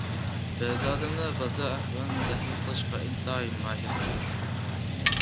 بەزى ئادەملەر بازار ئەھۋالىنى تەھلىل قىلىشقا ئىنتايىن ماھىر كېلىدۇ.